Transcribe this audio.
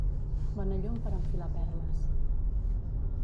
Bona llum per enfilar perles!